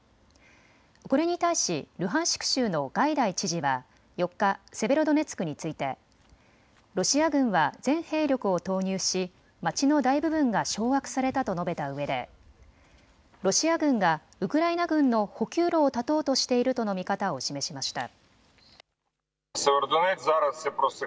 これに対しルハンシク州のガイダイ知事は４日、セベロドネツクについてロシア軍は全兵力を投入し街の大部分が掌握されたと述べたうえでロシア軍がウクライナ軍の補給路を断とうとしているとの見方を示しました。